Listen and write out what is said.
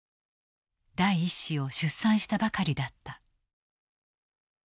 第一子を出産したばかりだった。